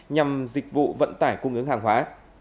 nhằm dịch vụ vận tải cung ứng hàng hóa